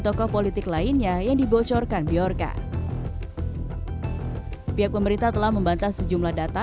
tokoh politik lainnya yang dibocorkan bjorka pihak pemerintah telah membantah sejumlah data